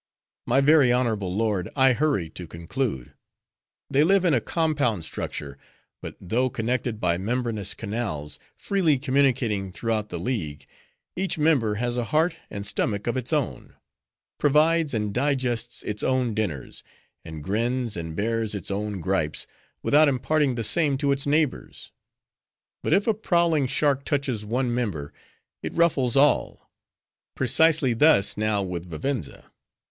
"My very honorable lord, I hurry to conclude. They live in a compound structure; but though connected by membranous canals, freely communicating throughout the league—each member has a heart and stomach of its own; provides and digests its own dinners; and grins and bears its own gripes, without imparting the same to its neighbors. But if a prowling shark touches one member, it ruffles all. Precisely thus now with Vivenza.